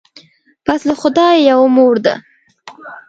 پس له خدایه یوه مور ده